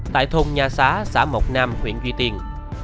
tại thôn nha xá xã mộc nam huyện duy tiên